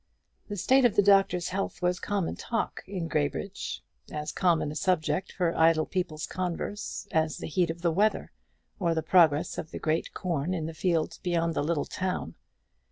The state of the doctor's health was common talk in Graybridge; as common a subject for idle people's converse as the heat of the weather, or the progress of the green corn in the fields beyond the little town.